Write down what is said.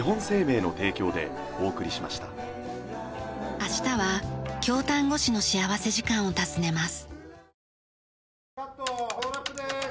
明日は京丹後市の幸福時間を訪ねます。